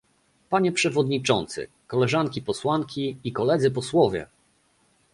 Panie przewodniczący, koleżanki posłanki i koledzy posłowie!